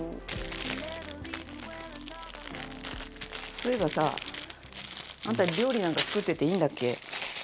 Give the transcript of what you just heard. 財前：そういえばさ、あんた料理なんか作ってていいんだっけ？